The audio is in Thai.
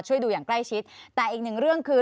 ช่วยดูอย่างใกล้ชิดแต่อีกหนึ่งเรื่องคือ